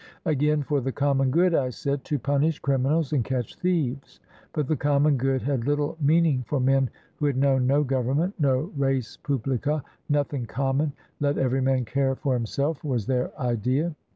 Again, for the common good, I said, — to punish crim inals and catch thieves; but the common good had little meaning for men who had known no government, no res publica, nothing common; let every man care for himself, was their idea.